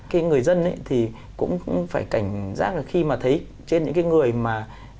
cái người dân thì cũng phải cảnh giác là khi mà thấy trên những người mà